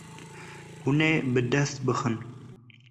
Hûn ê bi dest bixin.